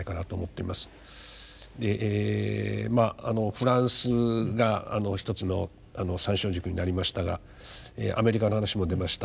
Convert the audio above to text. フランスがひとつの参照軸になりましたがアメリカの話も出ました